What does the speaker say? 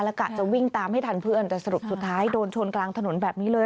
กะจะวิ่งตามให้ทันเพื่อนแต่สรุปสุดท้ายโดนชนกลางถนนแบบนี้เลย